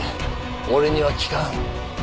俺には効かん。